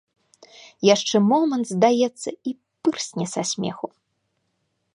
Яшчэ момант, здаецца, і пырсне са смеху.